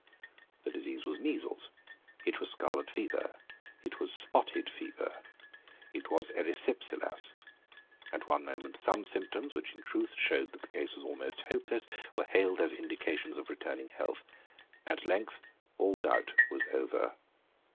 The disease was measles; it was scarlet fever; it was spotted fever; it was erysipelas. At one moment some symptoms, which in truth showed that the case was almost hopeless, were hailed as indications of returning health. At length all doubt was over.